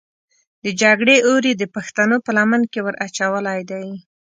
د جګړې اور یې د پښتنو په لمن کې ور اچولی دی.